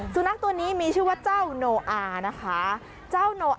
สุนัรตัวนี้มีชื่อว่าเจ้า